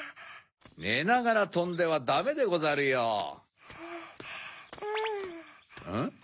ねながらとんではダメでござるよ。んん。